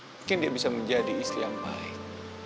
mungkin dia bisa menjadi istri yang baik